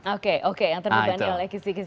oke oke yang terbebani oleh kisi kisi